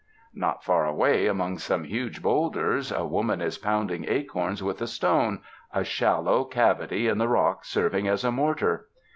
Not far away, among some huge bowlders, a woman is pounding acorns with a stone, a shallow cavity in the rock serving as a mortar.